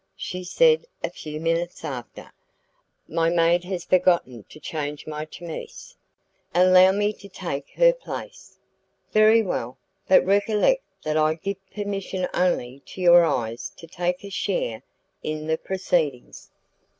she said a few minutes after, "my maid has forgotten to change my chemise." "Allow me to take her place." "Very well, but recollect that I give permission only to your eyes to take a share in the proceedings."